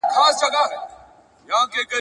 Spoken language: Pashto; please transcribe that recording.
د جانان دي زکندن دی د سلګیو جنازې دي ..